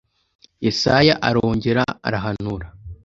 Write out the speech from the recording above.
yesaya arongera arahanura